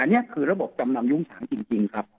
อันนี้คือระบบจำนำยุ้งฉางจริงครับ